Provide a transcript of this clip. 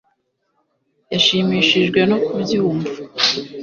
yashimishijwe no kubyumva